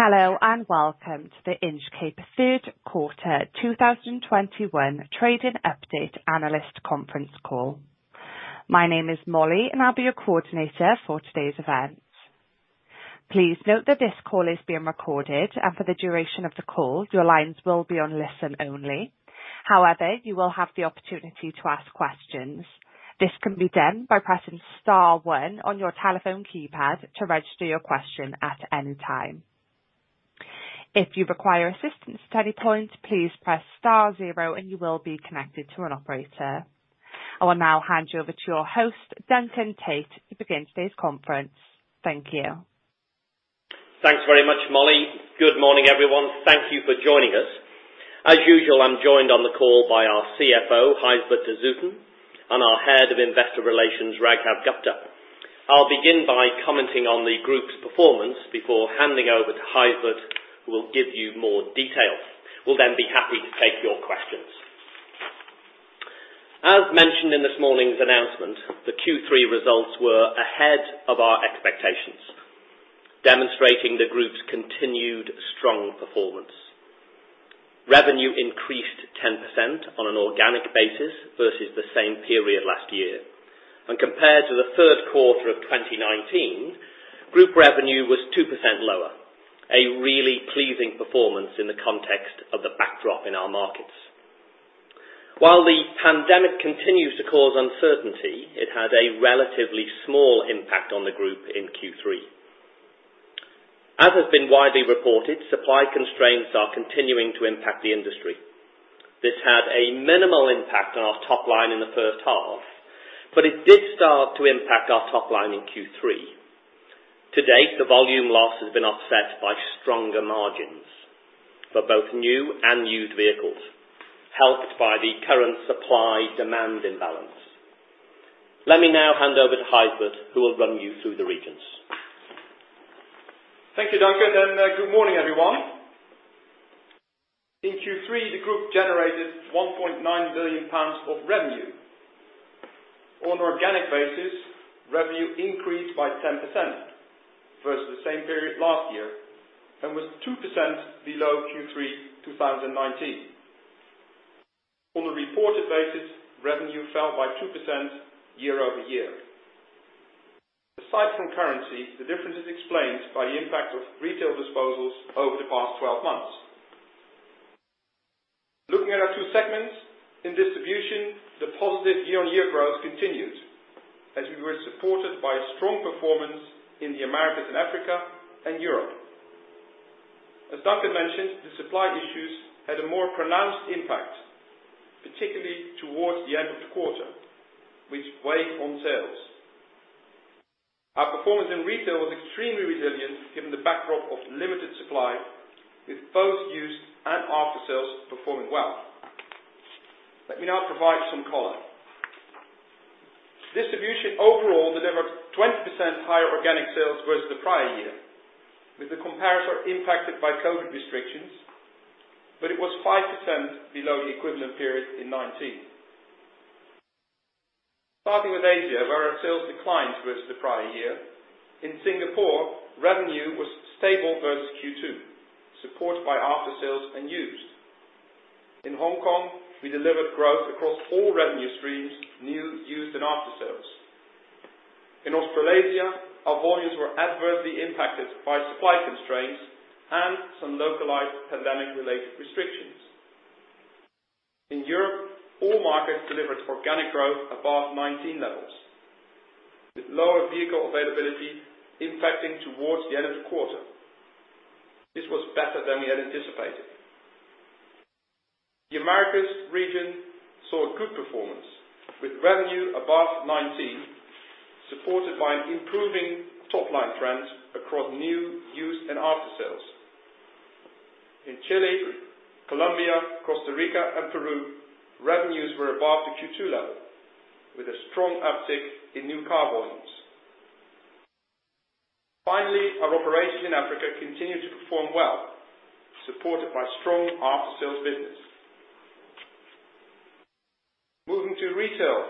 Hello, and welcome to the Inchcape Third Quarter 2021 Trading Update Analyst Conference Call. My name is Molly, and I'll be your coordinator for today's event. Please note that this call is being recorded, and for the duration of the call, your lines will be on listen only. However, you will have the opportunity to ask questions. This can be done by pressing star one on your telephone keypad to register your question at any time. If you require assistance at any point, please press star zero and you will be connected to an operator. I will now hand you over to your host, Duncan Tait, to begin today's conference. Thank you. Thanks very much, Molly. Good morning, everyone. Thank you for joining us. As usual, I'm joined on the call by our CFO, Gijsbert de Zoeten, and our Head of Investor Relations, Raghav Gupta. I'll begin by commenting on the group's performance before handing over to Gijsbert, who will give you more details. We'll be happy to take your questions. As mentioned in this morning's announcement, the Q3 results were ahead of our expectations, demonstrating the group's continued strong performance. Revenue increased 10% on an organic basis versus the same period last year. Compared to the third quarter of 2019, group revenue was 2% lower, a really pleasing performance in the context of the backdrop in our markets. While the pandemic continues to cause uncertainty, it had a relatively small impact on the group in Q3. As has been widely reported, supply constraints are continuing to impact the industry. This had a minimal impact on our top line in the first half, but it did start to impact our top line in Q3. To date, the volume loss has been offset by stronger margins for both new and used vehicles, helped by the current supply-demand imbalance. Let me now hand over to Gijsbert, who will run you through the regions. Thank you, Duncan, and good morning, everyone. In Q3, the group generated 1.9 billion pounds of revenue. On an organic basis, revenue increased by 10% versus the same period last year and was 2% below Q3 2019. On a reported basis, revenue fell by 2% year-over-year. Aside from currency, the difference is explained by the impact of retail disposals over the past 12 months. Looking at our two segments, in distribution, the positive year-on-year growth continued, as we were supported by a strong performance in the Americas and Africa and Europe. As Duncan mentioned, the supply issues had a more pronounced impact, particularly towards the end of the quarter, which weighed on sales. Our performance in retail was extremely resilient given the backdrop of limited supply, with both used and after-sales performing well. Let me now provide some color. Distribution overall delivered 20% higher organic sales versus the prior year, with the comparator impacted by COVID restrictions, but it was 5% below the equivalent period in 2019. Starting with Asia, where our sales declined versus the prior year. In Singapore, revenue was stable versus Q2, supported by after-sales and used. In Hong Kong, we delivered growth across all revenue streams, new, used, and after-sales. In Australasia, our volumes were adversely impacted by supply constraints and some localized pandemic-related restrictions. In Europe, all markets delivered organic growth above 2019 levels, with lower vehicle availability impacting towards the end of the quarter. This was better than we had anticipated. The Americas region saw a good performance, with revenue above 2019, supported by improving top-line trends across new, used, and after-sales. In Chile, Colombia, Costa Rica, and Peru, revenues were above the Q2 level, with a strong uptick in new car volumes. Finally, our operations in Africa continued to perform well, supported by strong after-sales business. Moving to retail,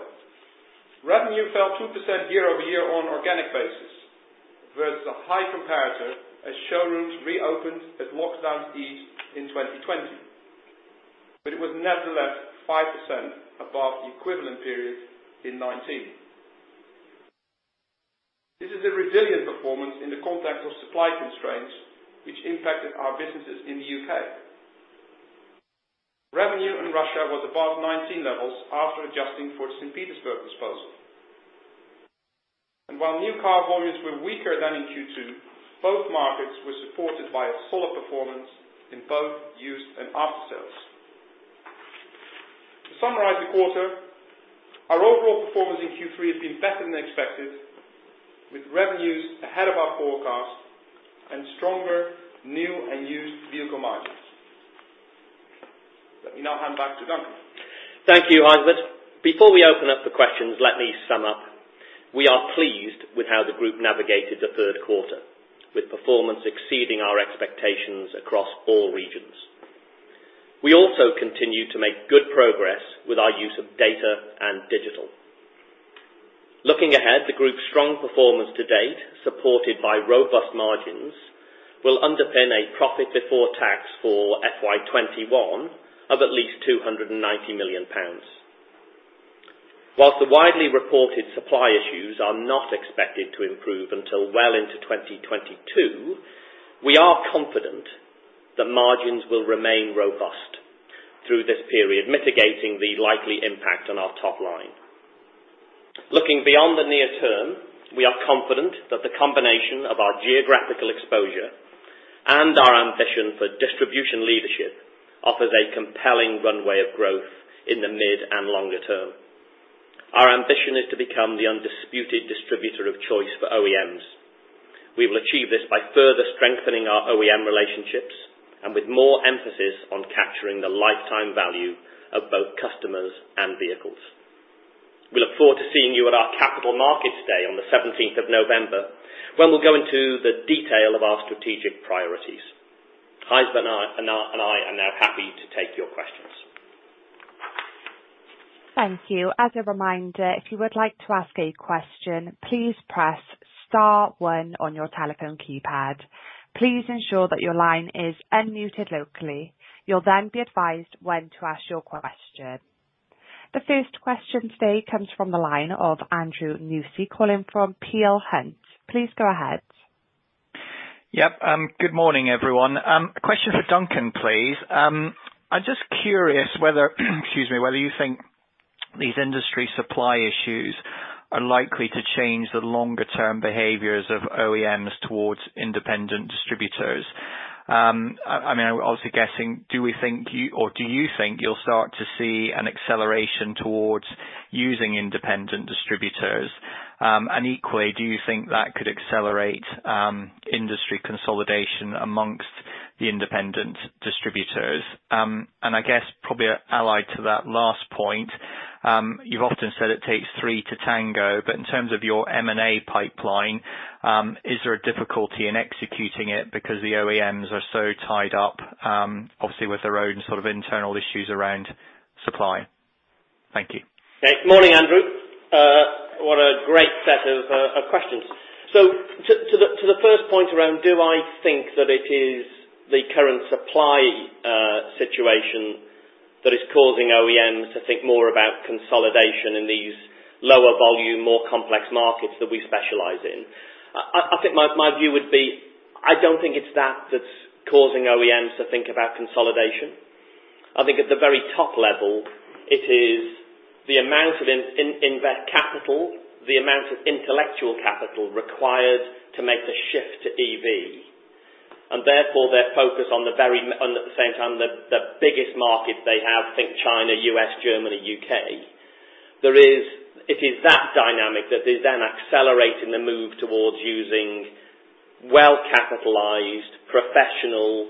revenue fell 2% year-over-year on an organic basis versus a high comparator as showrooms reopened as lockdowns eased in 2020. It was nevertheless 5% above the equivalent period in 2019. This is a resilient performance in the context of supply constraints, which impacted our businesses in the U.K. Revenue in Russia was above 2019 levels after adjusting for the St. Petersburg disposal. While new car volumes were weaker than in Q2, both markets were supported by a solid performance in both used and after-sales. To summarize the quarter, our overall performance in Q3 has been better than expected, with revenues ahead of our forecast and stronger new and used vehicle margins. Let me now hand back to Duncan. Thank you, Gijsbert. Before we open up the questions, let me sum up. We are pleased with how the group navigated the third quarter, with performance exceeding our expectations across all regions. We also continue to make good progress with our use of data and digital. Looking ahead, the group's strong performance to date, supported by robust margins, will underpin a profit before tax for FY 2021 of at least 290 million pounds. Whilst the widely reported supply issues are not expected to improve until well into 2022, we are confident that margins will remain robust through this period, mitigating the likely impact on our top line. Looking beyond the near term, we are confident that the combination of our geographical exposure and our ambition for distribution leadership offers a compelling runway of growth in the mid and longer term. Our ambition is to become the undisputed distributor of choice for OEMs. We will achieve this by further strengthening our OEM relationships and with more emphasis on capturing the lifetime value of both customers and vehicles. We look forward to seeing you at our Capital Markets Day on the 17th of November, when we'll go into the detail of our strategic priorities. Gijsbert and I are now happy to take your questions. Thank you. As a reminder, if you would like to ask a question, please press star one on your telephone keypad. Please ensure that your line is unmuted locally. You'll then be advised when to ask your question. The first question today comes from the line of Andrew Newsome calling from Peel Hunt. Please go ahead. Yep. Good morning, everyone. A question for Duncan, please. I'm just curious whether you think these industry supply issues are likely to change the longer-term behaviors of OEMs towards independent distributors. I'm obviously guessing, do we think or do you think you'll start to see an acceleration towards using independent distributors? Equally, do you think that could accelerate industry consolidation amongst the independent distributors? I guess probably allied to that last point, you've often said it takes three to tango, but in terms of your M&A pipeline, is there a difficulty in executing it because the OEMs are so tied up, obviously with their own sort of internal issues around supply? Thank you. Morning, Andrew. What a great set of questions. To the first point around, do I think that it is the current supply situation that is causing OEMs to think more about consolidation in these lower volume, more complex markets that we specialize in? I think my view would be, I don't think it's that that's causing OEMs to think about consolidation. I think at the very top level, it is the amount of invest capital, the amount of intellectual capital required to make the shift to EV, and therefore their focus on the very and at the same time, the biggest market they have, think China, U.S., Germany, U.K. It is that dynamic that is then accelerating the move towards using well-capitalized professional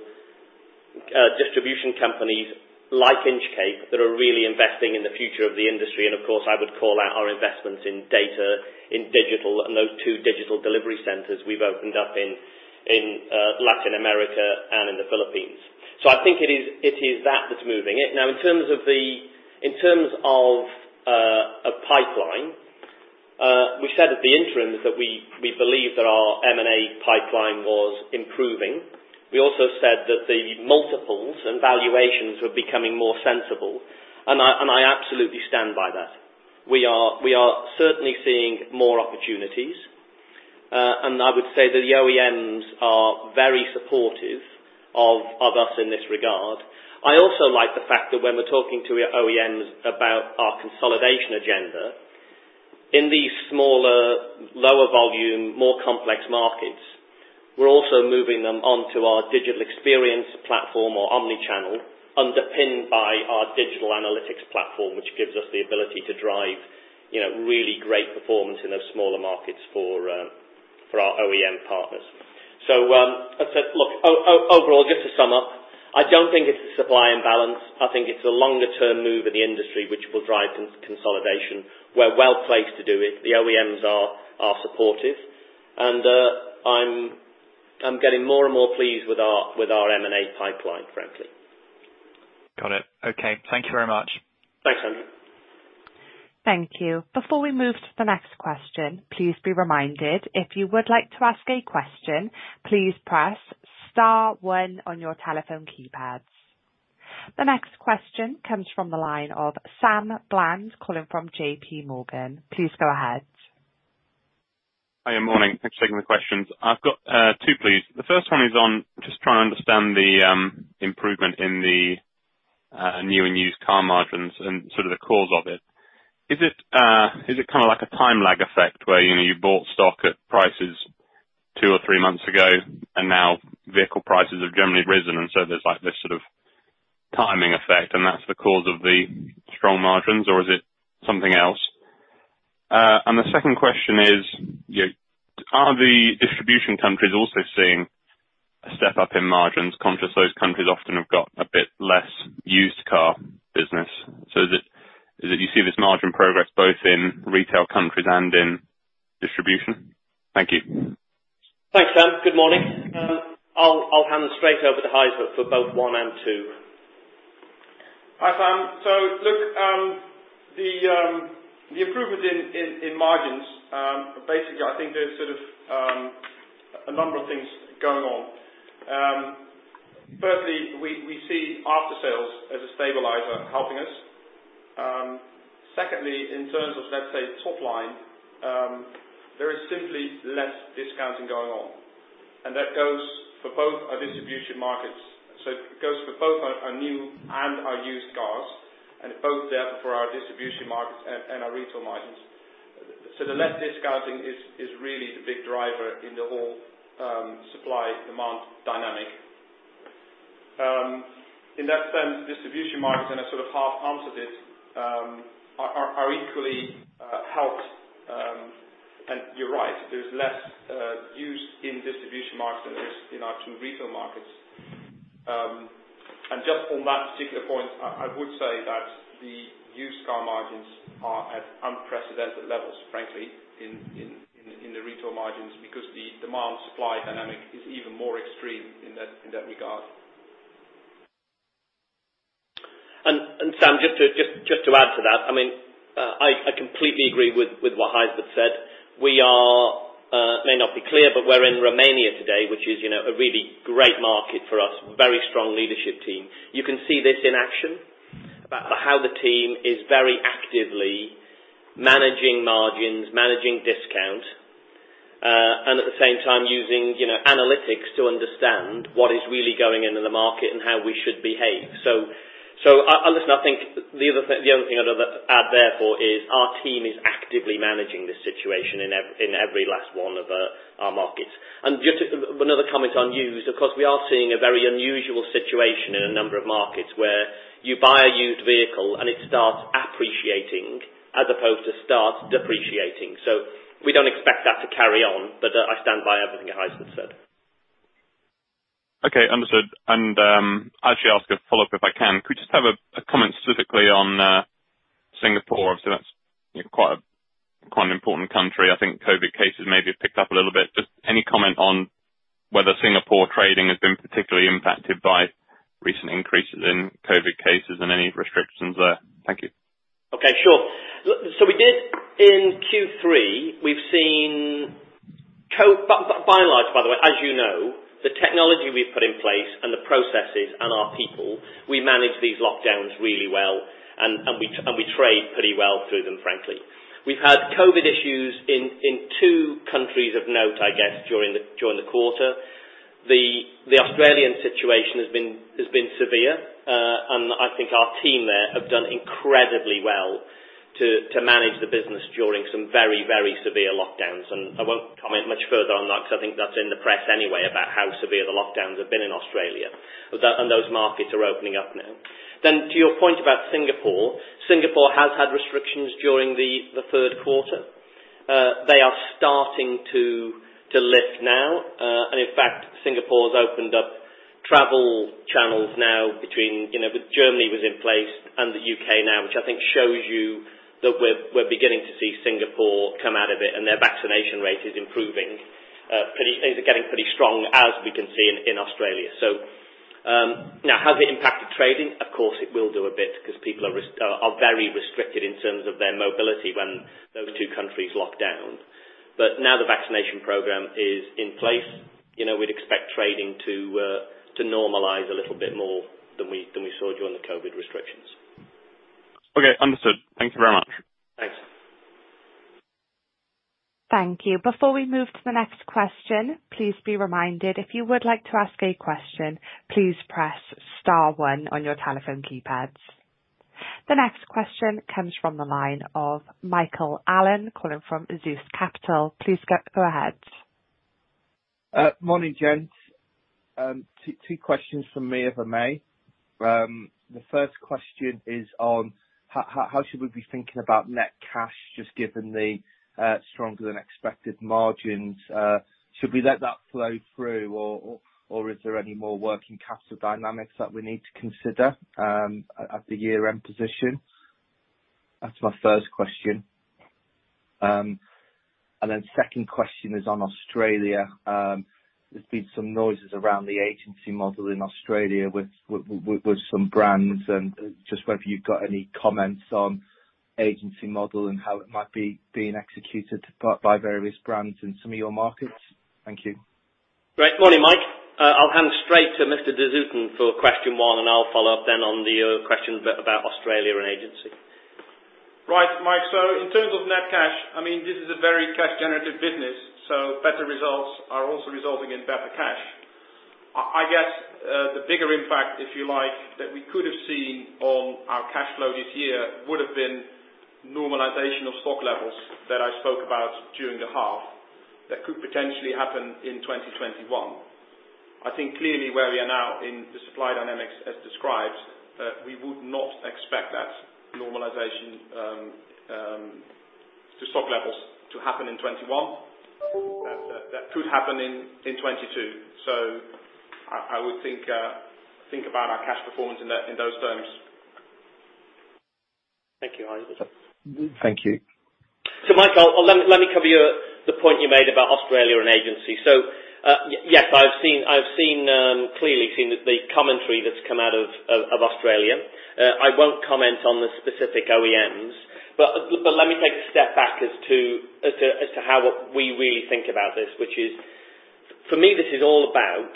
distribution companies like Inchcape that are really investing in the future of the industry. Of course, I would call out our investments in data, in digital, and those two digital delivery centers we've opened up in Latin America and in the Philippines. I think it is that that's moving it. Now, in terms of a pipeline, we said at the interim that we believe that our M&A pipeline was improving. We also said that the multiples and valuations were becoming more sensible, and I absolutely stand by that. We are certainly seeing more opportunities, and I would say that the OEMs are very supportive of us in this regard. I also like the fact that when we're talking to OEMs about our consolidation agenda in these smaller, lower volume, more complex markets, we're also moving them onto our digital experience platform or omnichannel, underpinned by our digital analytics platform, which gives us the ability to drive really great performance in those smaller markets for our OEM partners. Look, overall, just to sum up, I don't think it's a supply imbalance. I think it's a longer-term move in the industry which will drive consolidation. We're well-placed to do it. The OEMs are supportive, and I'm getting more and more pleased with our M&A pipeline, frankly. Got it. Okay. Thank you very much. Thanks, Andrew. Thank you. Before we move to the next question, please be reminded, if you would like to ask a question, please press star one on your telephone keypads. The next question comes from the line of Sam Bland calling from J.P. Morgan. Please go ahead. Hi, morning. Thanks for taking the questions. I've got two, please. The first one is on just trying to understand the improvement in the new and used car margins and sort of the cause of it. Is it kind of like a time lag effect where you bought stock at prices two or three months ago and now vehicle prices have generally risen and so there's this sort of timing effect and that's the cause of the strong margins, or is it something else? The second question is, are the distribution countries also seeing a step up in margins, conscious those countries often have got a bit less used car business? That you see this margin progress both in retail countries and in distribution? Thank you. Thanks, Sam. Good morning. I'll hand this straight over to Gijsbert for both one and two. Hi, Sam. Look, the improvement in margins, basically, I think there's a number of things going on. Firstly, we see after-sales as a stabilizer helping us. Secondly, in terms of, let's say, top line, there is simply less discounting going on, that goes for both our distribution markets. It goes for both our new and our used cars, and both there for our distribution markets and our retail markets. The less discounting is really the big driver in the whole supply-demand dynamic. In that sense, distribution markets, and I sort of half answered it, are equally helped. You're right, there's less used in distribution markets than there is in our two retail markets. Just on that particular point, I would say that the used car margins are at unprecedented levels, frankly, in the retail margins because the demand supply dynamic is even more extreme in that regard. Sam, just to add to that. I completely agree with what Gijsbert said. It may not be clear, but we're in Romania today, which is a really great market for us. Very strong leadership team. You can see this in action about how the team is very actively managing margins, managing discount, and at the same time using analytics to understand what is really going into the market and how we should behave. Listen, I think the only thing I'd add therefore is our team is actively managing this situation in every last one of our markets. Just another comment on used. Of course, we are seeing a very unusual situation in a number of markets, where you buy a used vehicle and it starts appreciating as opposed to start depreciating. We don't expect that to carry on. I stand by everything Gijsbert said. Okay, understood. Actually ask a follow-up, if I can. Could we just have a comment specifically on Singapore? Obviously, that's quite an important country. I think COVID cases maybe have picked up a little bit. Just any comment on whether Singapore trading has been particularly impacted by recent increases in COVID cases and any restrictions there. Thank you. Okay, sure. We did in Q3, we've seen By and large, by the way, as you know, the technology we've put in place and the processes and our people, we manage these lockdowns really well. We trade pretty well through them, frankly. We've had COVID issues in two countries of note, I guess, during the quarter. The Australian situation has been severe. I think our team there have done incredibly well to manage the business during some very, very severe lockdowns. I won't comment much further on that because I think that's in the press anyway about how severe the lockdowns have been in Australia. Those markets are opening up now. To your point about Singapore. Singapore has had restrictions during the third quarter. They are starting to lift now. In fact, Singapore's opened up travel channels now between Germany was in place and the U.K. now, which I think shows you that we're beginning to see Singapore come out of it, and their vaccination rate is improving. Things are getting pretty strong, as we can see in Australia. Now, has it impacted trading? Of course, it will do a bit because people are very restricted in terms of their mobility when those two countries locked down. Now the vaccination program is in place. We'd expect trading to normalize a little bit more than we saw during the COVID restrictions. Okay, understood. Thank you very much. Thanks. Thank you. Before we move to the next question, please be reminded, if you would like to ask a question, please press star one on your telephone keypads. The next question comes from the line of Mike Allen, calling from Zeus Capital. Please go ahead. Morning, gents. Two questions from me, if I may. The first question is on how should we be thinking about net cash, just given the stronger-than-expected margins. Should we let that flow through, or is there any more working capital dynamics that we need to consider at the year-end position? That's my first question. The second question is on Australia. There's been some noises around the agency model in Australia with some brands, and just whether you've got any comments on agency model and how it might be being executed by various brands in some of your markets. Thank you. Great. Morning, Mike. I'll hand straight to Mr. de Zoeten for question one, and I'll follow up then on the question bit about Australia and agency. Right. Mike, in terms of net cash, this is a very cash generative business, so better results are also resulting in better cash. I guess, the bigger impact, if you like, that we could have seen on our cash flow this year would have been normalization of stock levels that I spoke about during the half that could potentially happen in 2021. I think clearly where we are now in the supply dynamics as described, we would not expect that normalization to stock levels to happen in 2021. That could happen in 2022. I would think about our cash performance in those terms. Thank you, Gijs. Thank you. Michael, let me cover the point you made about Australia and agency. Yes, I've clearly seen the commentary that's come out of Australia. I won't comment on the specific OEMs. Let me take a step back as to how we really think about this, which is, for me, this is all about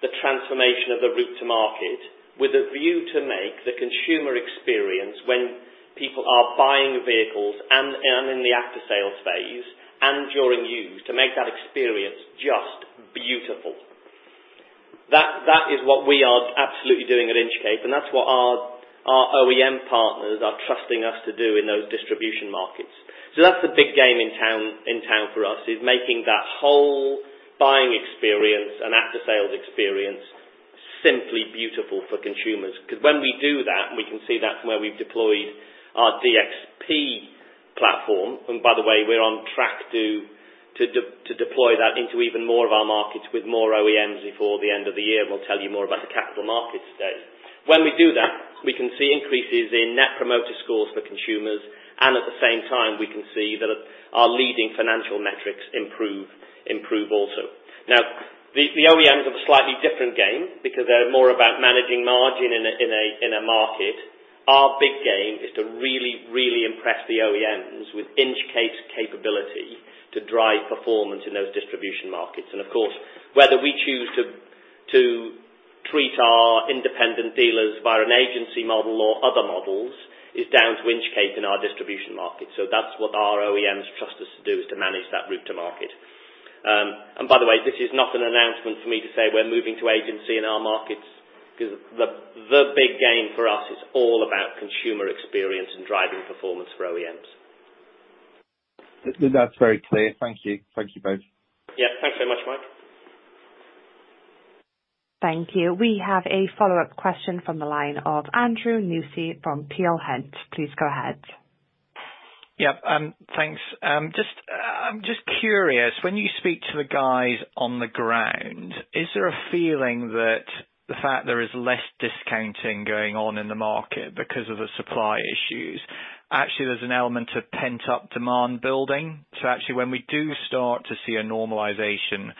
the transformation of the route to market with a view to make the consumer experience when people are buying vehicles and in the after-sales phase and during use, to make that experience just beautiful. That is what we are absolutely doing at Inchcape, and that's what our OEM partners are trusting us to do in those distribution markets. That's the big game in town for us, is making that whole buying experience and after-sales experience simply beautiful for consumers. When we do that, we can see that from where we've deployed our DXP platform. By the way, we're on track to deploy that into even more of our markets with more OEMs before the end of the year. We'll tell you more about the Capital Markets Day. When we do that, we can see increases in Net Promoter Score for consumers, and at the same time, we can see that our leading financial metrics improve also. Now, the OEMs have a slightly different game because they're more about managing margin in a market. Our big game is to really, really impress the OEMs with Inchcape's capability to drive performance in those distribution markets. Of course, whether we choose to treat our independent dealers via an agency model or other models is down to Inchcape in our distribution market. That's what our OEMs trust us to do, is to manage that route to market. By the way, this is not an announcement for me to say we're moving to agency in our markets because the big game for us is all about consumer experience and driving performance for OEMs. That's very clear. Thank you. Thank you both. Yeah. Thanks so much, Mike. Thank you. We have a follow-up question from the line of Andrew Newsome from Peel Hunt. Please go ahead. Yep. Thanks. I'm just curious, when you speak to the guys on the ground, is there a feeling that the fact there is less discounting going on in the market because of the supply issues, actually there's an element of pent-up demand building? Actually when we do start to see a normalization of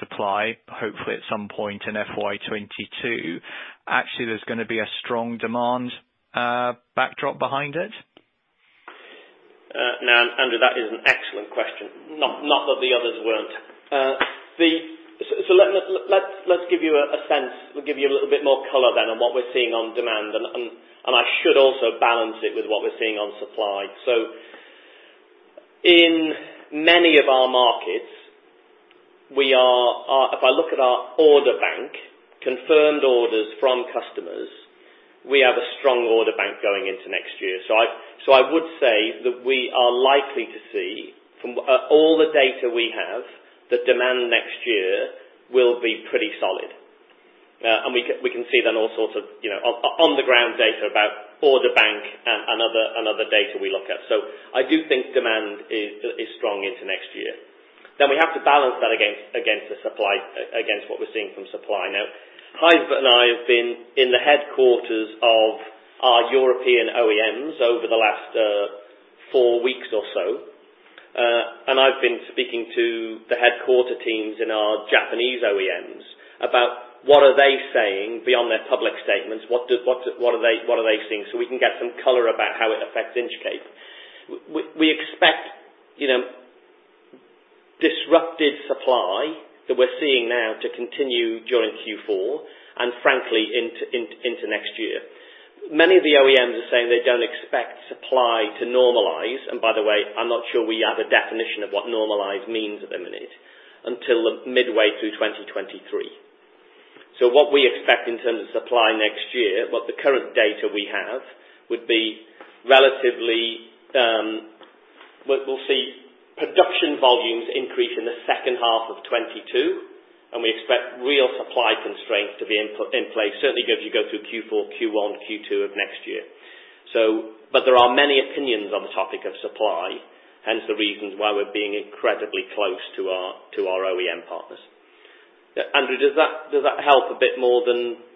supply, hopefully at some point in FY 2022, actually there's going to be a strong demand backdrop behind it? Andrew, that is an excellent question. Not that the others weren't. Let's give you a sense. We'll give you a little bit more color then on what we're seeing on demand, and I should also balance it with what we're seeing on supply. In many of our markets, if I look at our order bank, confirmed orders from customers, we have a strong order bank going into next year. I would say that we are likely to see, from all the data we have, the demand next year will be pretty solid. We can see then all sorts of on-the-ground data about order bank and other data we look at. I do think demand is strong into next year. We have to balance that against what we're seeing from supply. Gijs and I have been in the headquarters of our European OEMs over the last four weeks or so. I've been speaking to the headquarter teams in our Japanese OEMs about what are they saying beyond their public statements. What are they seeing, so we can get some color about how it affects Inchcape. We expect disrupted supply that we're seeing now to continue during Q4 and frankly, into next year. Many of the OEMs are saying they don't expect supply to normalize, and by the way, I'm not sure we have a definition of what normalized means at the minute, until the midway through 2023. What we expect in terms of supply next year. We'll see production volumes increase in the second half of 2022, and we expect real supply constraints to be in place, certainly as you go through Q4, Q1, Q2 of next year. There are many opinions on the topic of supply, hence the reasons why we're being incredibly close to our OEM partners. Andrew, does that help a bit more than.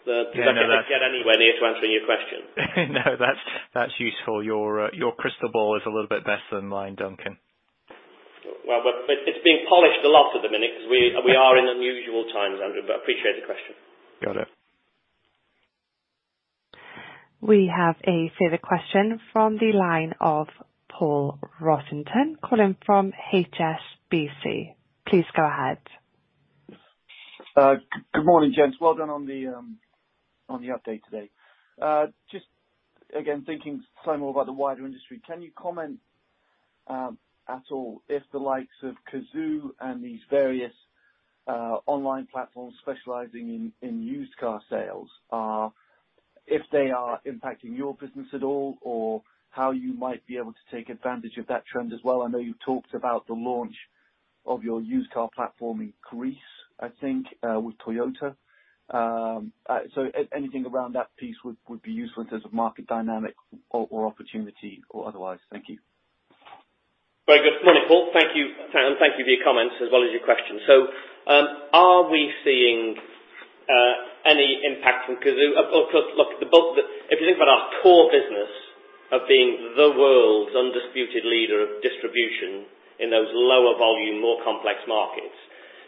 Yeah second I get anywhere near to answering your question? No, that's useful. Your crystal ball is a little bit better than mine, Duncan. It's being polished a lot at the minute because we are in unusual times, Andrew, but I appreciate the question. Got it. We have a further question from the line of Paul Rossington, calling from HSBC. Please go ahead. Good morning, gents. Well done on the update today. Just again, thinking some more about the wider industry, can you comment, at all, if the likes of Cazoo and these various online platforms specializing in used car sales If they are impacting your business at all, or how you might be able to take advantage of that trend as well? I know you talked about the launch of your used car platform in Greece, I think, with Toyota. Anything around that piece would be useful in terms of market dynamic or opportunity or otherwise. Thank you. Very good morning, Paul. Thank you for your comments as well as your questions. Are we seeing any impact from Cazoo? Look, if you think about our core business of being the world's undisputed leader of distribution in those lower volume, more complex markets,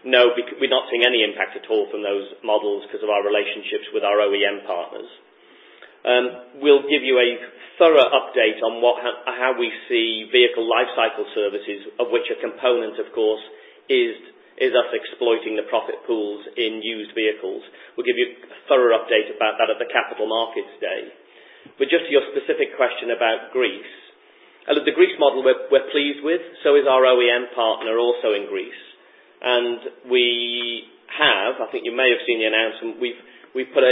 no, we're not seeing any impact at all from those models because of our relationships with our OEM partners. We'll give you a thorough update on how we see vehicle lifecycle services of which a component, of course, is us exploiting the profit pools in used vehicles. We'll give you a thorough update about that at the Capital Markets Day. Just to your specific question about Greece. The Greece model we're pleased with, so is our OEM partner also in Greece. We have, I think you may have seen the announcement, we've put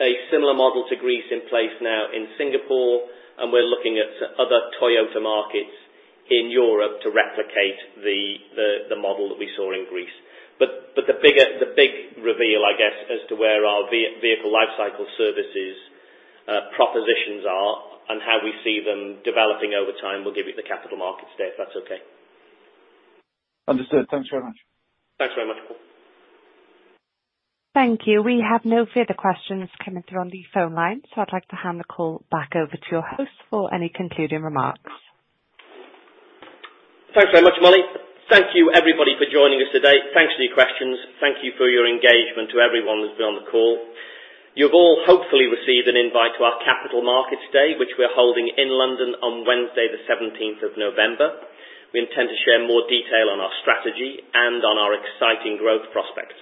a similar model to Greece in place now in Singapore, and we're looking at other Toyota markets in Europe to replicate the model that we saw in Greece. The big reveal, I guess, as to where our vehicle lifecycle services propositions are and how we see them developing over time, we'll give you at the Capital Markets Day, if that's okay. Understood. Thanks very much. Thanks very much, Paul. Thank you. We have no further questions coming through on the phone lines, I'd like to hand the call back over to your host for any concluding remarks. Thanks very much, Molly. Thank you everybody for joining us today. Thanks for your questions. Thank you for your engagement to everyone who's been on the call. You've all hopefully received an invite to our Capital Markets Day, which we're holding in London on Wednesday the 17th of November. We intend to share more detail on our strategy and on our exciting growth prospects.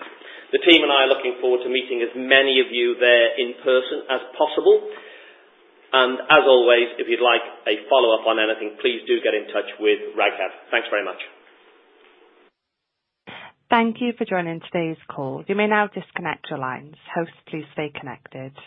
The team and I are looking forward to meeting as many of you there in person as possible. As always, if you'd like a follow-up on anything, please do get in touch with Raghav. Thanks very much. Thank you for joining today's call. You may now disconnect your lines. Hosts, please stay connected.